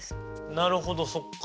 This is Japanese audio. なるほどそっか。